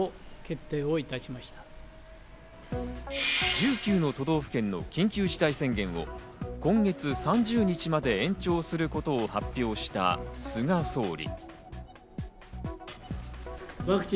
１９の都道府県の緊急事態宣言を今月３０日まで延長することを発表した菅総理。